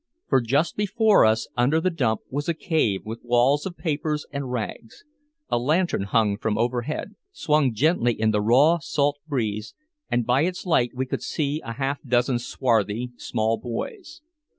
For just before us under the dump was a cave with walls of papers and rags. A lantern hung from overhead, swung gently in the raw salt breeze, and by its light we could see a half dozen swarthy small boys.